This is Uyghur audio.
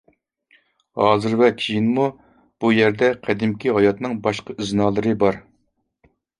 ھازىر ۋە كېيىنمۇ بۇ يەردە قەدىمكى ھاياتنىڭ باشقا ئىزنالىرى بار.